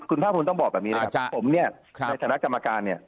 คุณภาพูลต้องบอกแบบนี้นะครับในสถานกจำการณ์เนี่ย